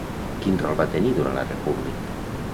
Quin rol va tenir durant la República?